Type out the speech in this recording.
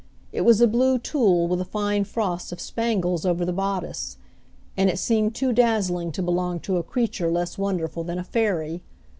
It was a blue tulle with a fine frost of spangles over the bodice, and it seemed too dazzling to belong to a creature less wonderful than a fairy.